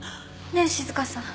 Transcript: ねえ静香さん。